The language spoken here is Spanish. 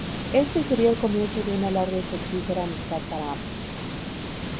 Este sería el comienzo de una larga y fructífera amistad para ambos.